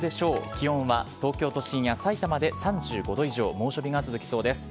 気温は東京都心やさいたまで３５度以上、猛暑日が続きそうです。